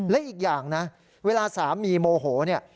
และอีกอย่างนะเวลาสามีโมโหเนี่ย